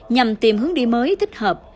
nhằm tìm hướng đi mới thích hợp